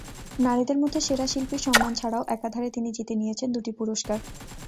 নারীদের মধ্যে সেরা শিল্পীর সম্মান ছাড়াও একাধারে তিনি জিতে নিয়েছেন দুটি পুরস্কার।